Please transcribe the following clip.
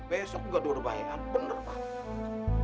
besok gak dua berbahayaan